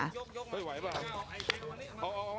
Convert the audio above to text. เฮ่ยไหวป่ะ